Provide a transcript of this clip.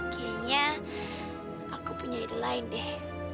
kayaknya aku punya ide lain deh